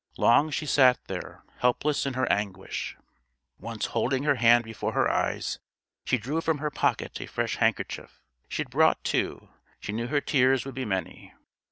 Long she sat there, helpless in her anguish. Once holding her hand before her eyes, she drew from her pocket a fresh handkerchief; she had brought two: she knew her tears would be many.